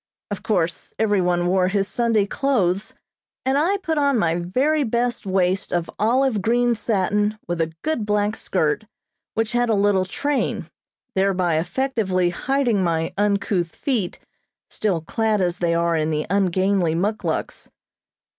Of course every one wore his Sunday clothes and I put on my very best waist of olive green satin with a good black skirt, which had a little train, thereby effectively hiding my uncouth feet, still clad as they are in the ungainly muckluks.